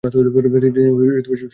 তিনি সবুজ রঙ দেখতে পেতেন না।